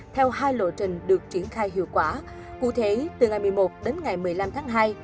theo hai lộ trình được triển khai hiệu quả cụ thể từ ngày một mươi một đến ngày một mươi năm tháng hai